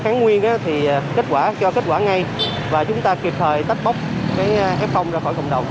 kháng nguyên thì kết quả cho kết quả ngay và chúng ta kịp thời tách bóc cái ép phong ra khỏi cộng đồng